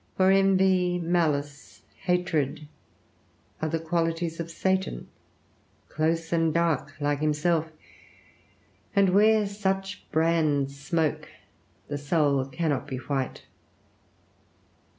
For envy, malice, hatred, are the qualities of Satan, close and dark like himself; and where such brands smoke, the soul cannot be white.